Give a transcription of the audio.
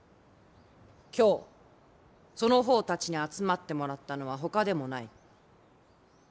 今日その方たちに集まってもらったのはほかでもない。